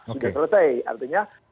sudah selesai artinya